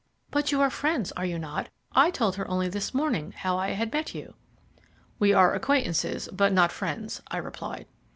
"But you are friends, are you not? I told her only this morning how I had met you." "We are acquaintances, but not friends," I replied.